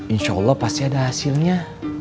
insya allah pasti ada hasilnya